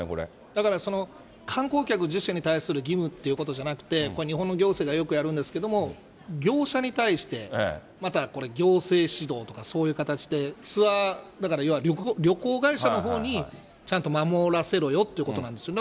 だから、観光客自身に対する義務っていうことじゃなくて、日本の行政がよくやるんですけれども、業者に対して、またこれ、行政指導とかそういう形で、ツアー、だからいわゆる旅行会社のほうに、ちゃんと守らせろよってことなんですよ。